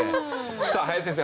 さあ林先生